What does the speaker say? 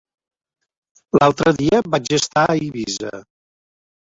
L'altre dia vaig estar a Eivissa.